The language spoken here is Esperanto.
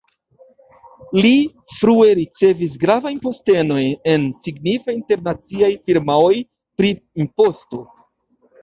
Li frue ricevis gravajn postenojn en signifaj internaciaj firmaoj pri imposto.